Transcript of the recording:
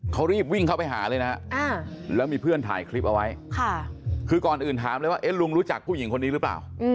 เขารีบวิ่งเข้าไปหาเลยนะแล้วมีเพื่อนถ่ายคลิปเอาไว้คือก่อนอื่นถามเลยว่าลุงรู้จักผู้หญิงคนนี้หรือเปล่า